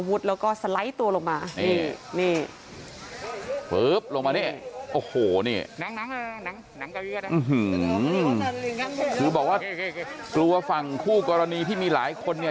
คือบอกว่ากลัวฝั่งคู่กรณีที่มีหลายคนเนี่ย